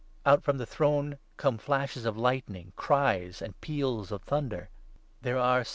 Out from the throne ' come flashes of lightning, cries, and peals of thunder' ! 12 Ezek.